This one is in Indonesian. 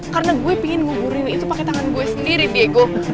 karena gue pingin nguburin itu pakai tangan gue sendiri diego